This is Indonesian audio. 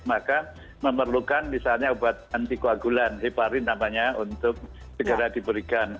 maka memerlukan misalnya obat anti koagulan heparin namanya untuk segera diberikan